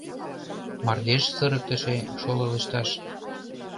Мардеж сырыктыше - шоло лышташ